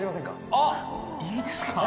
あっいいですか？